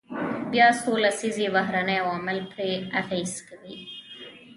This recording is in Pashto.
بیا څو لسیزې بهرني عوامل پرې اغیز کوي.